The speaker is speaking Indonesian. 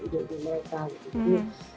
hidup hidup mereka gitu